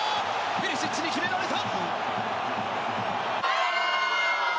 ペリシッチに決められた。